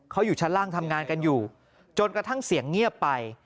เขาอยู่ชั้นล่างทำงานกันอยู่จนกระทั่งเสียงเงียบไป